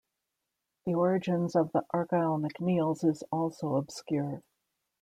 The origins of the Argyll MacNeills is also obscure.